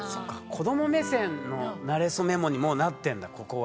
子ども目線の「なれそメモ」にもうなってんだここは。